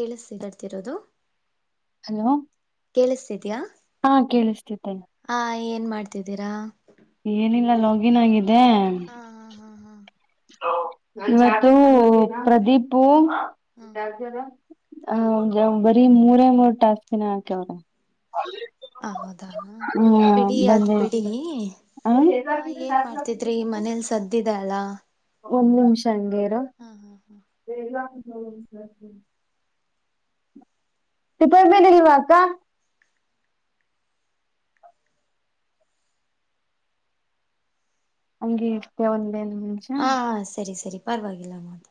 ಕೇಳಿಸಡ್ತಿರೋದು [unintelligible] hello ಕೇಳಿಸ್ಸ್ತಿದೆಯಾ ಹಾ ಕೇಳಿಸ್ತಿದ್ದೆ ಹಾ ಏನ್ ಮಾಡ್ತಿದ್ದೀರಾ ಏನಿಲ್ಲ ಲೋಗಿನ್ ಆಗಿದ್ದೇ ಆ ಹಾ ಹಾ ಹಾ ಹಾ. [unintelligible] ಇವತ್ತೂ ಹ ಪ್ರದೀಪು ಹ ಹ ಅವಂಗ್ ಅವ ಬರೀ ಮೂರೇ ಮೂರ್ ಟಾಸ್ಕಿನ ಹಾಕ್ಯವ್ರ [unintelligible] ಹಾ ಹೌದಾ ಬಿಡಿ ಅದ ಬಂದೆ ಬಿಡೀ ಹಾ ಏನ್ ಮಾಡ್ತಿದ್ರಿ ಮನೇಲಿ ಸದ್ದಿದೆ ಅಲಾ ಒಂದ್ ನಿಮಿಷ ಹಂಗೆ ಇರು ಹಾ ಹಾ ಹು. [unintelligible] ಟಿಪಾಯ್ ಮೇಲೆ ಇಲ್ವಾ ಅಕ್ಕ. ಹಂಗೆ ಇರ್ತೀಯಾ ಒಂದ್ ಎರಡ್ನಿಮಿಷ. ಹ ಸರಿ ಸರಿ ಪರವಾಗಿಲ್ಲ ಮಾತ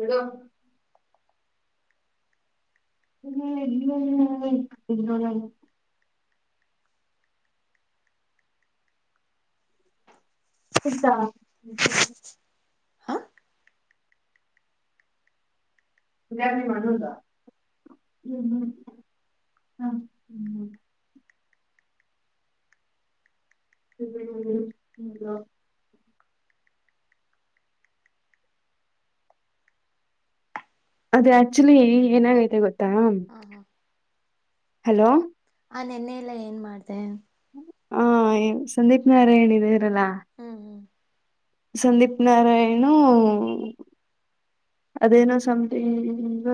ಬಿಡು. [unintelligible] ಸಿಕ್ತ. ಹ ಇದರ್ದು ನಿಮ್ ಅಣ್ಣಂದ. [unintelligible] [unintelligible] ಅದ ಆಕ್ಚುಲಿ ಏನಾಗೈತೆ ಗೊತ್ತಾ ಹಲೋ. ಆ ನೆನ್ನೆಲ್ಲ ಏನ್ ಮಾಡ್ದೇ. ಹಾ ಸಂದೀಪ್ ನಾರಾಯಣ ಇದಿರಲ್ಲಾ. ಹ್ಮ್ ಹ್ಮ್ ಸಂದೀಪ್ ನಾರಾಯಣು. ಅದೇನೋ ಸಮತಿಂಗ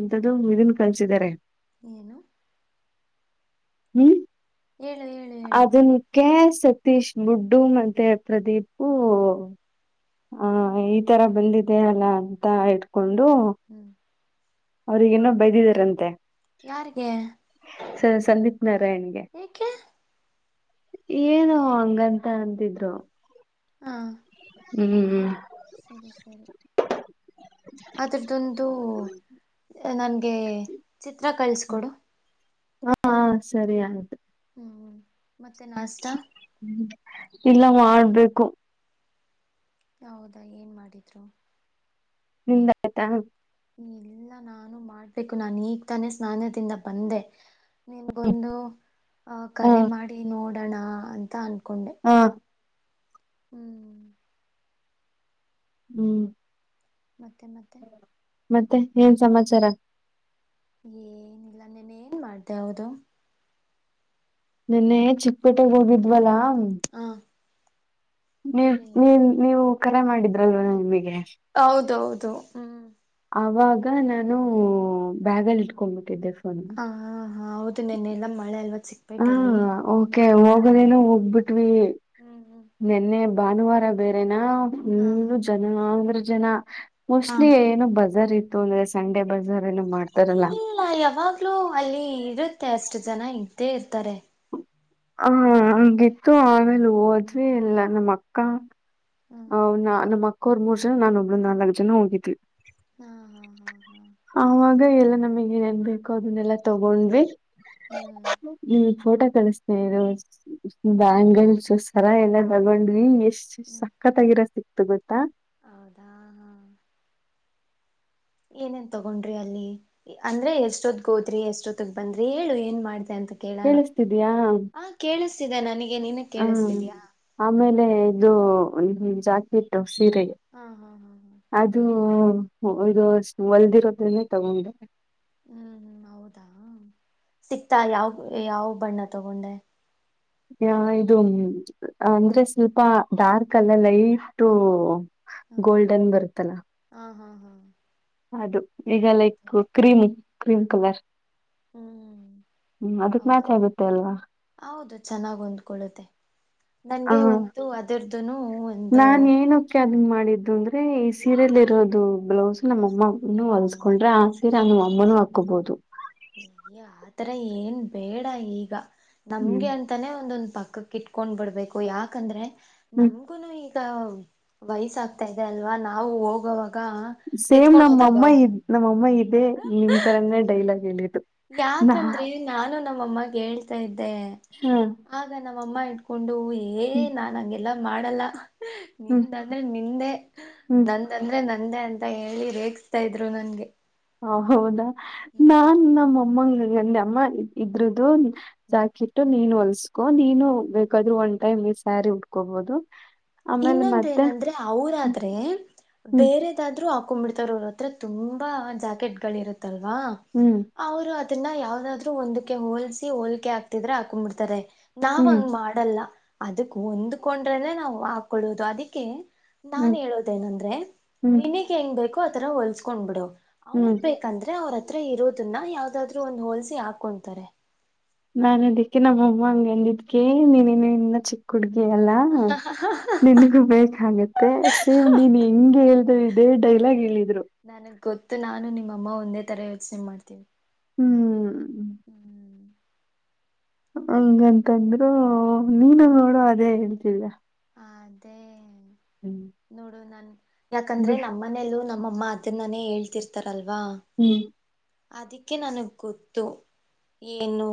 ಎಂತದ್ದು ಇದನ್ ಕಲ್ಸಿದಿದ್ದಾರೆ. ಏನು. ಹ್ಮ್ ಹೇಳು ಹೇಳು. ಹೇಳು ಅದಿಕ್ಕೆ ಸತೀಶ್ ಮುಡ್ಡು ಮತ್ತೆ ಪ್ರದೀಪು. ಹ ಈ ತರ ಬಂದಿದೆ ಅಲ ಅಂತ ಇಟ್ಕೊಂಡು. ಹ್ಮ್ ಅವ್ರಗೇನೋ ಬೈದಿದಾರಂತೆ. ಯಾರಿಗೆ. ಸ ಸಂದೀಪ್ ನಾರಾಯಣ್ಗೆ. ಯಾಕೆ. ಏನೊ ಹಂಗಂತ ಅಂತಿದ್ರು. ಹಾ ಹ್ಮ್ ಸರಿ ಸರಿ. ಅದ್ರುದೊಂದು ನನಗೆ ಚಿತ್ರ ಕಳಿಸಿಕೊಡು. ಹಾ ಹ ಸರಿ ಆಯ್ತು. ಹ್ಮ್ ಮತ್ತೆ ನಷ್ಟ. ಹ್ಮ್ ಇಲ್ಲ ಮಾಡ್ಬೇಕು. ಹೌದಾ ಏನ್ ಮಾಡಿದ್ರು. ನಿಂದ ಆಯ್ತ. ಇಲ್ಲ ನಾನು ಮಾಡ್ಬೇಕು ನಾನು ಈಗ ತಾನೇ ಸ್ನಾನದಿಂದ ಬಂದೆ. ನಿನ್ಗೊಂದು ಹ ಕರೆ ಮಾಡಿ ನೋಡೋಣ ಅಂತ ಅನ್ಕೊಂಡೆ. ಹಾ ಹ್ಮ್ ಹ್ಮ್ ಮತ್ತೆ ಮತ್ತೆ. ಮತ್ತೆ ಏನ್ ಸಮಾಚಾರ. ಏನಿಲ್ಲ ನೆನ್ನೆ ಏನ್ ಮಾಡ್ದೆ ಹೌದು. ನೆನ್ನೆ ಚಿಕ್ಕಪೇಟೆೆಗೆ ಹೋಗಿದ್ವಲ್ಲಾ. ಹಾ ನೀವ ನೀ ನೀವು ಕರೆ ಮಾಡಿದ್ರಲ್ವ ನಮಿಗೆ. ಹೌದೌದು ಹ್ಮ ಆವಾಗ ನಾನು ಬ್ಯಾಗಲ್ಲಿ ಇಟ್ಕೊಂಡ್ಬಿಟ್ಟಿದ್ದೆ ಫೋನ್. ಹ ಹಾ ಹೌದು ನೆನ್ನೆಲ್ಲ ಮಳೆ ಅಲ್ವ ಸಿಕ್ ಹಾ ಓಕೆ ಹೋಗದೇನ ಹೋಗ್ಬಿಟ್ವಿ. ಹ್ಮ್ ಹ್ಮ್ ನೆನ್ನೆ ಭಾನುವಾರ ಬೇರೆನಾ ಹ ಇನ್ನು ಜನ ಅಂದ್ರೆ ಜನ. ಹ ಮೋಸ್ಟ್ಲಿ ಏನು ಬಜಾರ್ ಇತ್ತು ಅಂದ್ರೆ ಸಂಡೆ ಬಜಾರ್ ಏನು ಮಾಡ್ ಇಲ್ಲ್ಲ ಯಾವಾಗ್ಲೂ ಅಲ್ಲಿ ಇರುತ್ತೆ ಅಷ್ಟು ಜನ ಇದ್ದೆ ಇರ್ತಾರೆ. ಹಾ ಹಂಗಿತ್ತು ಆಮೇಲ್ ಹೋದ್ವಿ ಎಲ್ಲ ನಮ್ಮ ಅಕ್ಕ. ಹ್ಮ್ ಹ್ ನಮ್ ಅಕ್ಕ ಅವ್ರ್ ಮೂರ್ ಜನ ನಾ ಒಬ್ರು ನಾಲ್ಕು ಜನ ಹೋಗಿದ್ವಿ. ಹಾ ಹಾ [unintelligible] ಹಾ ಹಾ ಹ ಈಗ ಎಲ್ಲ ನಮಿಗ್ ಏನ್ಬೇಕೋ ಅದನ್ನೆಲ್ಲಾ ತಗೊಂಡ್ವಿ. ಹ್ಮ್. ಹ್ಮ್ ಫೋಟೋ ಕಲಸ್ತೆನಿ ಇರು. ಬ್ಯಾಂಗಲ್ಸು ಸರಾ ಎಲ್ಲ ತಗೊಂಡ್ವಿ ಎಷ್ಟ ಹ್ಮ್ ಸಕ್ಕತ್ ಆಗಿರೋದ ಸಿಕ್ತು ಗೊತ್ತಾ. ಹೌದಾ ಹಾ. ಏನೇನ್ ತಗೊಂಡ್ರಿ ಅಲ್ಲಿ ಅಂದ್ರೆ ಎಷ್ಟೊತ್ಗ ಹೋದ್ರಿ ಎಷ್ಟೊತ್ತಗ್ ಬಂದ್ರಿ ಹೇಳು ಏನ್ ಮಾಡ್ದ ಅಂತ. ಕೇಳೋಣ ಕೇಳಿಸ್ತಿದ್ಯಾ ಹ ಕೇಳಿಸ್ತಿದೆ ನನಗೆ ನೀನಗ ಹ. ಕೇಳಿಸ್ತಿದೀಯಾ. ಆಮೇಲೆ ಇದು ಜಾಕೆಟ್ ಸೀರೆಗೆ. ಹಾ ಹಾ ಹಾ ಹಾ. ಅದು ಇದು ಅಷ್ಟ ಹೊಲ್ದಿರೋದನ್ನೇ ತಗೊಂಡೆ. ಹ್ಮ್ ಹ್ಮ್ ಹೌದಾ ಸಿಕ್ತಾ ಯಾವ ಯಾವ ಬಣ್ಣ ತಗೊಂಡೆ. ಹ ಇದು ಅಂದ್ರೆ ಸ್ವಲ್ಪ ಡಾರ್ಕ್ ಅಲ್ಲ ಲೈಟು. ಹ ಗೋಲ್ಡನ್ ಬರುತ್ತಲ್ಲ. ಹಾ ಹಾ ಹಾ. ಅದು ಈಗ ಲೈಕ್ ಗೊತ್ತಾಯ್ತು ಕ್ರೀಮ್ ಹ್ಮ್ ಕ್ರೀಮ್ ಕಲರ್. ಹ್ಮ್ ಹ್ಮ್ ಅದ. ಹೌದು ಹೌದು ಚೆನ್ನಾಗಿ ಹೊಂದ್ಕೊಳ್ಳುತ್ತೆ ಹ ನನ್ಗೆ ಒಂತ ಅದ. [unintelligible] ನಾನ್ ಏನಕ್ಕೆೆ ಅದನ್ ಮಾಡಿದ್ದು ಅಂದ್ರೆ ಈ ಸೀರೆೆಯಲ್ಲಿ ಇರೋದು ಬ್ಲೌಸ್ ಹ ನಮ್ಮಮ್ಮ. ಇನ್ನು ಹೊಲಸಕೊಂಡ್ರೆ ಆ ಸೀರೆ ಅನ್ನು ಅಮ್ಮನು ಹಾಕೋಬಹುದು. ಈಗ ಆತರ ಏನ್ ಬೇಡ ಈಗ ನಮ್ಗೆ ಹ್ಮ್ ಅಂತಾನೆ ಒಂದೊಂದ ಪಕ್ಕಕ್ಕ ಇಟ್. ಕೊಂಡ್ ಬಿಡ್ಬೇಕು ಯಾಕಂದ್ರೆ ನಮ. ಹ್ಮ್ ಮಗುನು ಈಗ ವಯಸ ಆಗ್ತಾ ಇದೆ ಅಲ್ವಾ ನಾವು ಹೋಗವಾಗ. ಸೇಮ್ ನಮ್ಮ ಅಮ್ಮ ಇದ್ ನಮ್ಮ ಅಮ್ಮ ಇದೆ ನಿಮ್ ತರನೇ ಡೈಲಾಗ್ ಹೇಳು. ಯಾಕಂದ್ರೆ ನಾನು ನಮ್ಮಮ್ಮಗೆ ಹೇಳ್ತಾ ಇದ್ದೆ.. ಹ್ಮ. ಆಗ ನಮ್ಮಮ್ಮ ಇಟ್ಕೊಂಡು ಏ ಹ್ಮ್ ನಾನ್ ಹಂಗೆಲ್ಲಾ ಮಾಡಲ್ಲ. ಹ್ಮ್ ನಿಂದಂದ್ರೆ ನಿಂದೆ ಹ್ಮ್ ನ. ಅಂದ್ರೆ ನಂದೇ ಅಂತ ಹೇಳಿ ರೇಗಿಸ್ತಾ ಇದ್ರು ನನ್ಗೆ. ಹ ಹೌದಾ ಹ್ಮ್ ನಾನ್ ನಮ್ಮ ಅಮ್ಮಂಗ ಹಂಗ ಅಂದೆ ಅಮ್ಮ ಇದ್ರದು. ಹ್ಮ್ ಜಾಕಿಟ್ಟು ನೀನು ಹೊಲ್ಸ್ಕೊ ನೀನು ಬೇಕಾದರು ಒನ್ ಟೈಮ್ಗೆ ಸ್ಯಾರಿ ಉಟ್ಕೋಬೋದು. ಇನ್ನೊಂದ ಏನಂದ್ರೆ ಅವರಾದ್ರೆ ಹ್ಮ್ ಬೇರೆ. ಇದ್ರರು ಹಾಕೊಂಡ್ಬಿಡ್ತಾರ ಅವ್ರತ್ರ ತುಂಬಾ ಜಾಕೆಟ್ ಗಳ ಇರುತ್ತಲ್ವಾ. ಹ್ಮ್. ಅವರು ಅದನ್ನ ಯಾವದಾದ್ರು ಒಂದಕ್ಕೆ ಹೋಲ್ಸ ಹೋಲ್ಕೆ ಆಗತಿದ್ರೆ ಹಾಕೊಂಡ್ಬಿಡ್ತಾರೆ ನಾವ್ ಹ್ಮ್ ಹಂಗ ಮಾಡ. ಮಾಡಲ್ಲ ಅದಕ್ ಹೊಂದ್ಕೊಂಡ್ರಲ್ಲೇ ನಾವು ಹಾಕೊಳ್ಳೋದು ಅದಕ್ಕೆ ನಾನ ಹ್ಮ್ ಹೇಳೋದೇನಂದ್ರೆ ಹ್ಮ್ ಹ್ಮ್ ನಿನಗ್ಹೆಂಗ್ ಬೇಕೋ ಆತರ ಹೊಲ್ಸ್ಕೊಂಡ್ ಬಿಡು ಅವ್ರ ಹ್ಮ್ ಬೇಕ. ಯಾಕಂದ್ರೆ ಅವ್ರ ಹತ್ರ ಇರೋದನ್ನ ಯಾವದಾದ್ರು ಒಂದು ಹೋಲ್ಸಿ ಹಾಕೊಂತಾರೆ ನಾನ್ ಅದಕ್ಕೆ ನಮ್ಮಮ್ಮ ಹಂಗ ಎಂದಿದ್ಕ ನೀನ್ ಇನ್ನ ಚಿಕ್ಕ ಕುಡ್ಗಿ ಎಲ್ಲ ನಿನಗೂ ಬೇಕಾಗತ್ತೆ. ಅ ಸೇಮ್ ನೀನ್ ಹೆಂಗೆ ಹೇಳ್ದೆ ಇದೇ ಡೈಲಾಗ್ ಹೇಳಿದ್ರು ನನಗ ಗೊತ್ತು ನಾನು ನಿಮ್ಮಮ್ಮ ಒಂದೇ ತರ ಯೋಚನೆ ಮಾಡ್ತೀವಿ. ಹ್ಮ್. ಹ್ಮ್ ಹಂಗಂತಂದ್ರು ಹ ನೀನು ನೋಡೋ ಅದೇ ಹೇಳ್ತಿಲ್ಲಯ ಅದೇ. ಹ್ಮ್ ನೋಡು ನನ್ ಯಾಕಂದ್ರೆ ನಮ್ಮನೇಲ್ಲೂ ನಮ್ಮಮ್ಮ ಅದನ್ನಾನೇ ಹೇಳ್ತಿರ್ತಾರಲ್ವಾ ಹ್ಮ್ ಅದಕ್ಕೆ ನನಗ್ ಗೊತ್ತು ಏನು.